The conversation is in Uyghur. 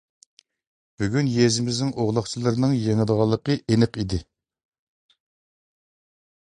بۈگۈن يېزىمىزنىڭ ئوغلاقچىلىرىنىڭ يېڭىدىغانلىقى ئېنىق ئىدى.